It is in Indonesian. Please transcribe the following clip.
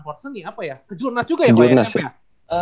ke jurnal juga ya